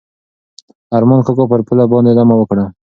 ارمان کاکا پر پوله باندې دمه وکړه.